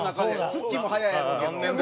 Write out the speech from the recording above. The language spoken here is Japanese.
つっちーも早いやろうけど。